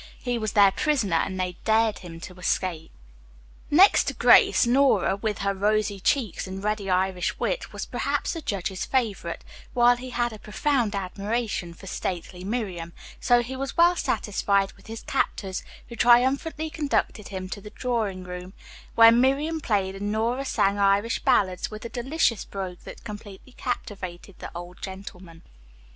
He was their prisoner and they dared him to try to escape. Next to Grace, Nora, with her rosy cheeks and ready Irish wit was perhaps the judge's favorite, while he had a profound admiration for stately Miriam; so he was well satisfied with his captors, who triumphantly conducted him to the drawing room, where Miriam played and Nora sang Irish ballads with a delicious brogue that completely captivated the old gentleman.